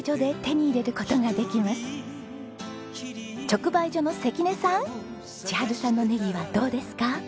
直売所の関根さん千春さんのネギはどうですか？